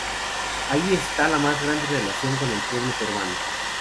Ahí está la más grande relación con el pueblo peruano.